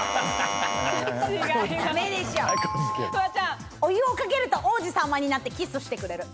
ピンポンお湯をかけると王子様になってキスしてくれる。